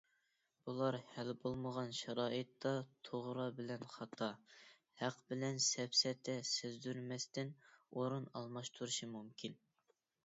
بۇلار ھەل بولمىغان شارائىتتا توغرا بىلەن خاتا، ھەق بىلەن سەپسەتە سەزدۇرمەستىن ئورۇن ئالماشتۇرۇشى مۇمكىن.